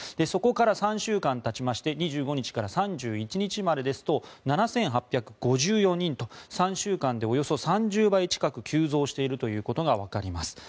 そこから３週間たちまして２５日から３１日までですと７８５４人と３週間でおよそ３０倍近く急増しているということがわかります。